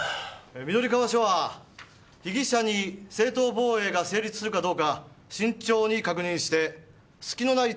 緑川署は被疑者に正当防衛が成立するかどうか慎重に確認して隙のない調書を仕上げて欲しい。